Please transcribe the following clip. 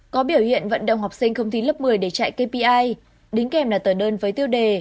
có biểu hiện vận động học sinh không thi lớp một mươi để chạy kpi đính kèm là tờ đơn với tiêu đề